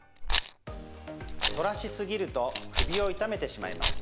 反らしすぎると首を痛めてしまいます。